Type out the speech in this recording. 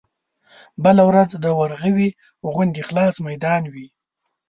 بله ورځ د ورغوي غوندې خلاص ميدان وي.